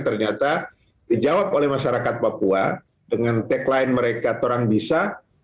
ternyata dijawab oleh masyarakat papua dengan tagline mereka terang bisa